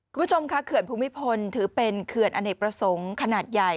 คุณผู้ชมค่ะเขื่อนภูมิพลถือเป็นเขื่อนอเนกประสงค์ขนาดใหญ่